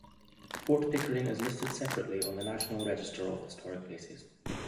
Fort Pickering is listed separately on the National Register of Historic Places.